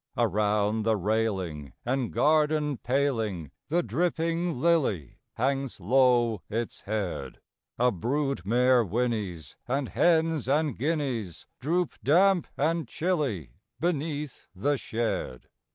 Around the railing and garden paling The dripping lily hangs low its head: A brood mare whinnies; and hens and guineas Droop, damp and chilly, beneath the shed.